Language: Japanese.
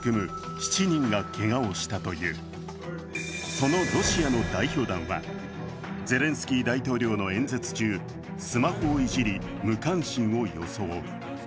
そのロシアの代表団はゼレンスキー大統領の演説中スマホをいじり、無関心を装う。